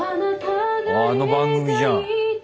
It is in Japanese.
あの番組じゃん。